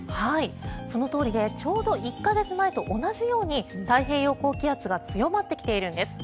そのとおりでちょうど１か月前と同じように太平洋高気圧が強まってきているんです。